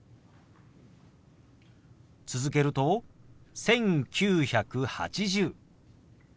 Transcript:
続けると「１９８０」。